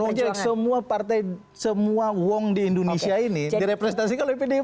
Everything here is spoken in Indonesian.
bukan wong cilik semua partai semua wong di indonesia ini direpresentasi kalau pdi perjuangan